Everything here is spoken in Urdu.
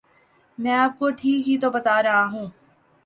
میں آپ کو ٹھیک ہی تو بتارہا ہوں